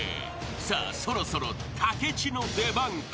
［さあそろそろ武智の出番か？］